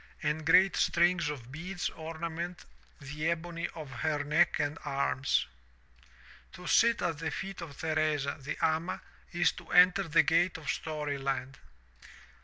211 M Y BOOK HOUSE and great strings of beads ornament the ebony of her neck and arms. To sit at the feet of Theresa, the amay is to enter the gate of story land.